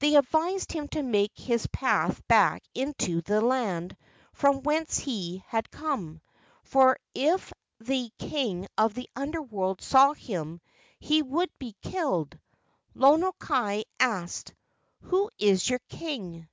They advised him to make his path back into that land from whence he had come, for if the king of the Under world saw him he would be killed. Lono kai asked, "Who is your king?"